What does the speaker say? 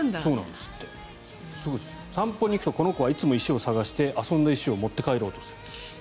散歩に行くとこの子はいつも石を探して遊んだ石を持って帰ろうとする。